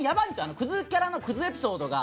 クズキャラのクズエピソードが。